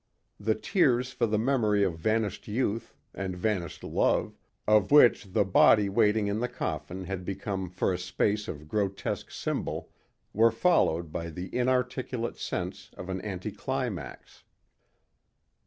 The tears for the memory of vanished youth and vanished love of which the body waiting in the coffin had become for a space of grotesque symbol, were followed by the inarticulate sense of an anti climax.